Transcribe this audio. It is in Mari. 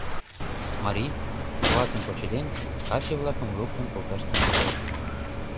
Марий, клатым почеден, каче-влакым луктын колташ тӱҥалеш.